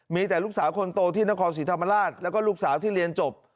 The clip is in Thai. มีแต่ลูกสาวคนโตที่นครศรีธรรมราชแล้วก็ลูกสาวที่เรียนจบ